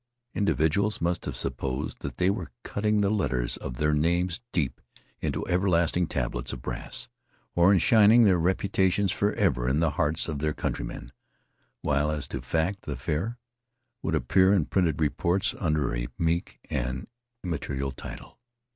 Individuals must have supposed that they were cutting the letters of their names deep into everlasting tablets of brass, or enshrining their reputations forever in the hearts of their countrymen, while, as to fact, the affair would appear in printed reports under a meek and immaterial title.